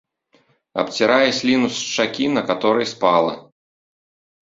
Абцірае сліну з шчакі, на каторай спала.